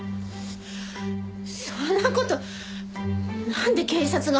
そんな事なんで警察が。